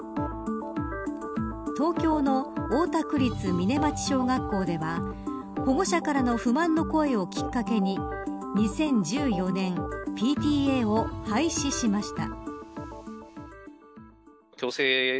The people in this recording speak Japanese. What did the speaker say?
東京の大田区立嶺町小学校では保護者からの不満の声をきっかけに２０１４年ＰＴＡを廃止しました。